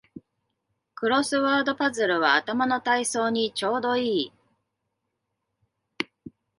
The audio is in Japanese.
クロスワードパズルは頭の体操にちょうどいい